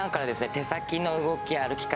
手先の動きや歩き方